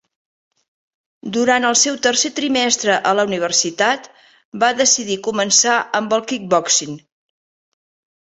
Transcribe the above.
Durant el seu tercer trimestre a la universitat, va decidir començar amb el kickboxing.